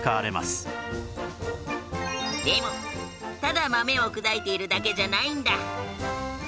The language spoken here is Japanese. でもただ豆を砕いているだけじゃないんだ。